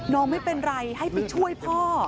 ไม่เป็นไรให้ไปช่วยพ่อ